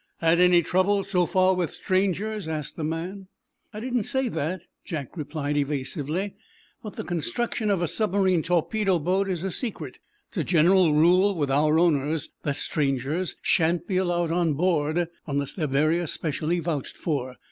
"Had any trouble, so far, with strangers?" asked the man. "I didn't say that," Jack replied, evasively. "But the construction of a submarine torpedo boat is a secret. It is a general rule with our owners that strangers shan't be allowed on board, unless they're very especially vouched for.